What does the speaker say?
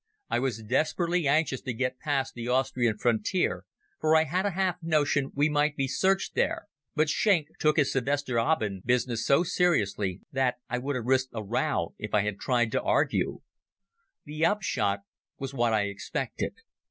I was desperately anxious to get past the Austrian frontier, for I had a half notion we might be searched there, but Schenk took his Sylvesterabend business so seriously that I would have risked a row if I had tried to argue. The upshot was what I expected.